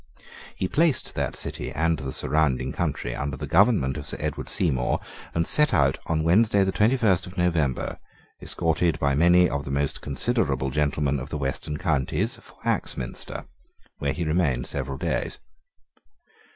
He placed that city and the surrounding country under the government of Sir Edward Seymour, and set out on Wednesday the twenty first of November, escorted by many of the most considerable gentlemen of the western counties, for Axminster, where he remained several days.